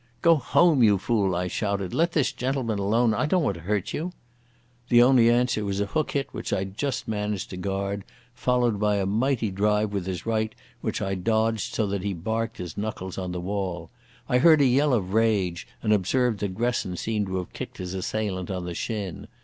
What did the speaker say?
"Go home, you fool," I shouted. "Let this gentleman alone. I don't want to hurt you." The only answer was a hook hit which I just managed to guard, followed by a mighty drive with his right which I dodged so that he barked his knuckles on the wall. I heard a yell of rage, and observed that Gresson seemed to have kicked his assailant on the shin.